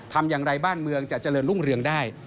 ทำอย่างไรบ้านเมืองจะเจริญรุ่งเรืองได้